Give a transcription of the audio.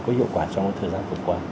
có hiệu quả trong thời gian vừa qua